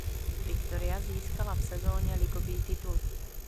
Viktoria získala v sezóně ligový titul.